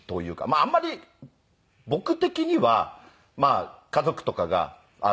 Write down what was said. まああんまり僕的には家族とかが。